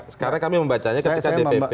sekarang kami membacanya ketika dpp